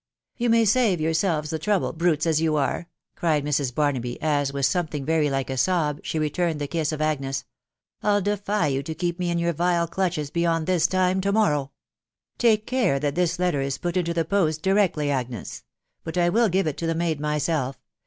" You may save yourselves the trouble, brutes as you are," cried Mrs. Barnaby, as, with something very like a sob, she returned the kiss of Agnes. " I'll defy you to keep me in your vile clutches beyond this time to morrow. ••• Take care that this letter is put into the post directly, Agnes ; but I will give it to the maid myself.